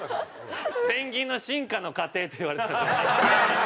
「ペンギンの進化の過程」って言われてた。